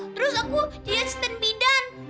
terus aku jadi asisten bidan